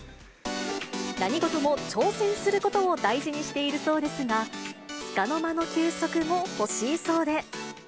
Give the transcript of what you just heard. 何事も挑戦することを大事にしているそうですが、つかの間の休息も欲しいそうで。